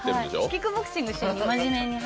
キックボクシングしに。